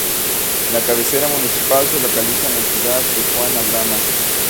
La cabecera municipal se localiza en la entidad de Juan Aldama.